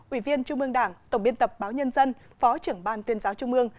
ủy viên trung mương đảng tổng biên tập báo nhân dân phó trưởng ban tuyên giáo trung mương